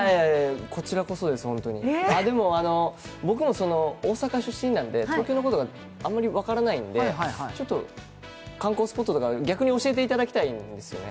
僕も大阪出身なんで、東京のことがあんまり分からないんで、観光スポットとか逆に教えていただきたいですね。